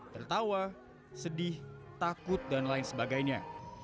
tertawa sedih takut dan lain sebagainya